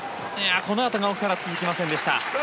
このあとが奥原続きませんでした。